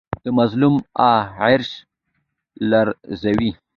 د مظلوم آه عرش لرزوي